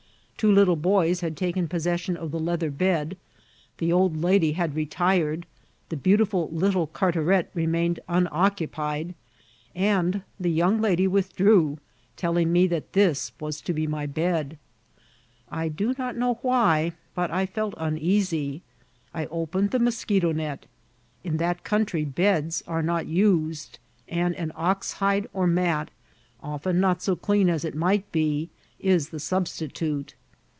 Two little boys had taken poosoeoion of the leather bed ; the old lady had retired ; the beautiful little oartaret remained unoccupied, and the young lady withdrew, telling me that this was to be my bed. I do not know why, but I felt uneasy. I opened the mos* eheto«net. In that country beds are not used, and an oxhide or mat, often not so clean as it might be, is the substitute.